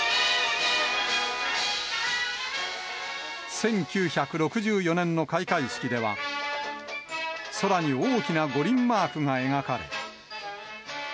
１９６４年の開会式では、空に大きな五輪マークが描かれ。